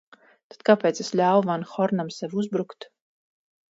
Tad kāpēc es ļāvu van Hornam sev uzbrukt?